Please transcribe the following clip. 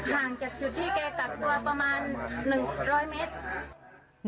ห่างจากจุดที่แกกักตัวประมาณ๑๐๐เมตร